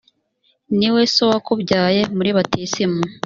niwe so wakubyaye muri batisimu,